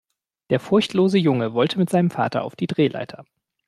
Der furchtlose Junge wollte mit seinem Vater auf die Drehleiter.